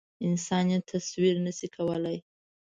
انسان یې تصویر نه شي کولی.